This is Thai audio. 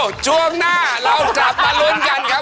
เอ้าช่วงหน้าเราจะประลุนกันครับ